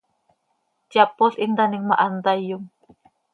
Yapol hin taanim ma, hant hayom.